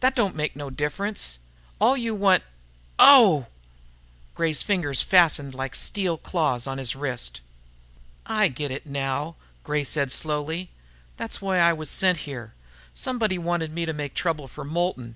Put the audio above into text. "That don't make no difference. All you want ... ow!" Gray's fingers had fastened like steel claws on his wrist. "I get it, now," said Gray slowly. "That's why I was sent here. Somebody wanted me to make trouble for Moulton."